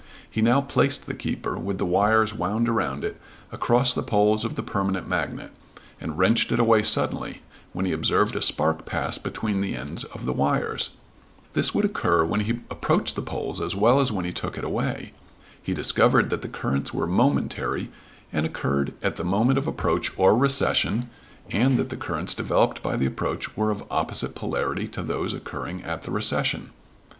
He now placed the keeper, with the wire wound around it, across the poles of the permanent magnet, and wrenched it away suddenly, when he observed a spark pass between the ends of the wires. This would occur when he approached the poles as well as when he took it away. He discovered that the currents were momentary and occurred at the moment of approach or recession, and that the currents developed by the approach were of opposite polarity to those occurring at the recession.